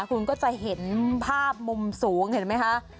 คุณก็จะเห็นภาพมุมสูงเห็นไหมคะ